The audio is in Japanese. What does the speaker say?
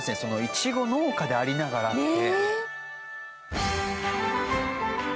いちご農家でありながらって。